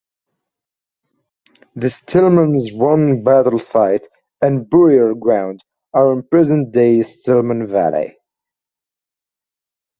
The Stillman's Run Battle Site and burial ground are in present-day Stillman Valley.